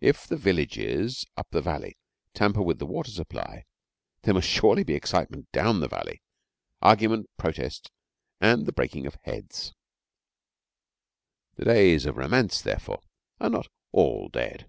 If the villages up the valley tamper with the water supply, there must surely be excitement down the valley argument, protest, and the breaking of heads. The days of romance, therefore, are not all dead.